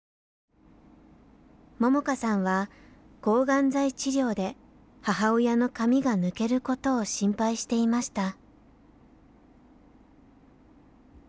桃花さんは抗がん剤治療で母親の髪が抜けることを心配していました。